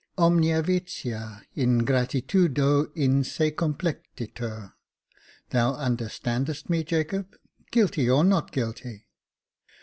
Omnia 38 Jacob Faithful vitia ingratitudo in se complectitur. Thou understandest me, Jacob — guilty, or not guilty?